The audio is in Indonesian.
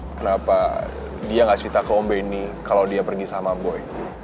kenapa dia gak cerita ke ombenny kalau dia pergi sama boy